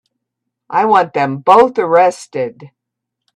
I want them both arrested.